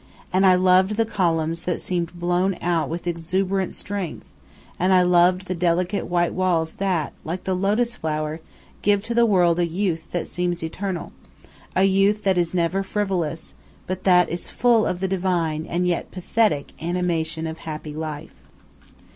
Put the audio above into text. And I loved the columns that seemed blown out with exuberant strength, and I loved the delicate white walls that, like the lotus flower, give to the world a youth that seems eternal a youth that is never frivolous, but that is full of the divine, and yet pathetic, animation of happy life.